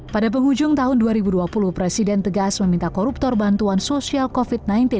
pada penghujung tahun dua ribu dua puluh presiden tegas meminta koruptor bantuan sosial covid sembilan belas